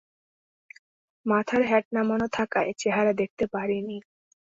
মাথার হ্যাট নামানো থাকায় চেহারা দেখতে পারিনি।